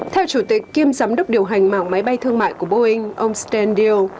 theo chủ tịch kiêm giám đốc điều hành mạng máy bay thương mại của boeing ông stan deal